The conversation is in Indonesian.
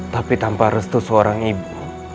tapi tanpa restu seorang ibu